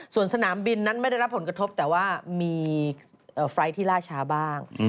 ส่วนสนามบินนั้นไม่ได้รับผลกระทบแต่ว่ามีไฟล์ทที่ล่าช้าบ้าง